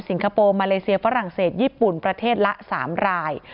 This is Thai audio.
คโปร์มาเลเซียฝรั่งเศสญี่ปุ่นประเทศละ๓ราย